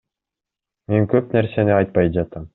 Мен көп нерсени айтпай жатам.